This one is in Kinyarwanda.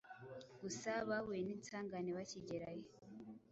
gusa bahuye n’insangane bakigerayo